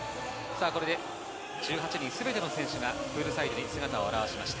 これで１８人全ての選手がプールサイドに姿を現しました。